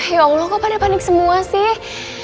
ya allah kok pada panik semua sih